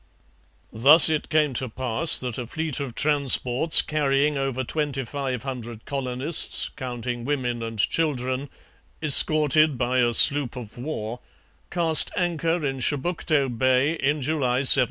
Thus it came to pass that a fleet of transports carrying over twenty five hundred colonists, counting women and children, escorted by a sloop of war, cast anchor in Chebucto Bay in July 1749.